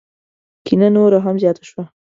کینه نوره هم زیاته شوه.